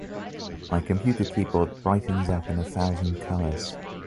My computer keyboard brightens up in a thousand colors.